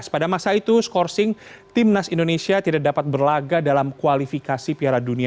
pada masa itu scourcing timnas indonesia tidak dapat berlagak dalam kualifikasi piala dunia dua ribu dua puluh